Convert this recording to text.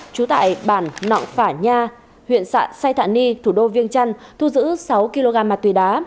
chú tại bản nọng phả nha huyện xã sai thạ ni thủ đô viêng trăn thu giữ sáu kg ma tuy đá